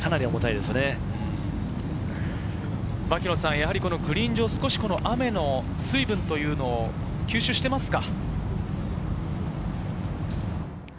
やはりグリーン上、少し雨の水分というのを吸収してますか？